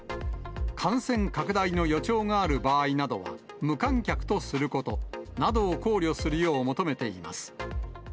感染拡大の予兆がある場合などは、無観客とすることなどを考慮するよう求めています。